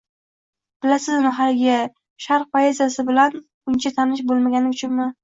Bilasizmi, haligi… Sharq poeziyasi bilan uncha tanish boʼlmaganim uchunmi…